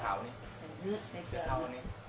อยู่ดินนั่นหรอ